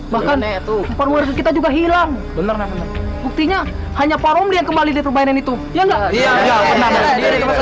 bahkan itu kita juga hilang benar benar buktinya hanya parom dia kembali di perbaikan itu ya enggak